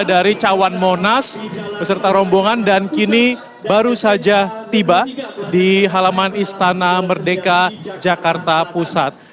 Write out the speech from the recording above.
dari cawan monas beserta rombongan dan kini baru saja tiba di halaman istana merdeka jakarta pusat